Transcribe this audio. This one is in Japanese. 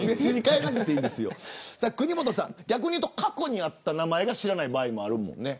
国本さん、逆に言うと過去にあった名前を知らない場合があるもんね。